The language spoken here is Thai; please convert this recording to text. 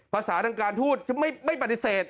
ภาษานังการพูดที่ไม่ปฏิเสธ